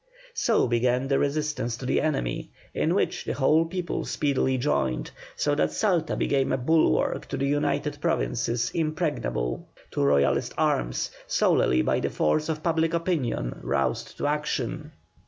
So began the resistance to the enemy, in which the whole people speedily joined, so that Salta became a bulwark to the United Provinces impregnable to Royalist arms, solely by the force of public opinion roused to action.